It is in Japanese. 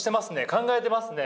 考えてますね。